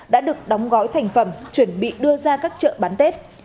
đã được đóng gói thành phẩm chuẩn bị đưa ra các chợ bán tết